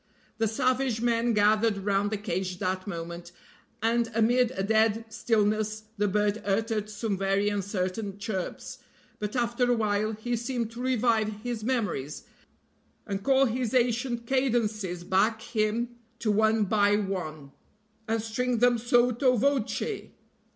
The savage men gathered round the cage that moment, and amid a dead stillness the bird uttered some very uncertain chirps, but after a while he seemed to revive his memories, and call his ancient cadences back him to one by one, and string them sotto voce.